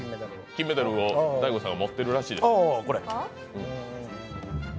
金メダルを大悟さんが持ってるらしいです。